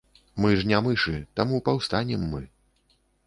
Мы ж не мышы, таму паўстанем мы.